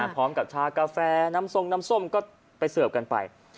ชากาแฟน้ำทรงน้ำส้มก็ไปเสิร์ฟกันไป